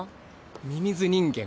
「ミミズ人間４」。